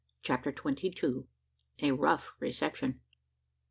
CHAPTER TWENTY TWO. A ROUGH RECEPTION.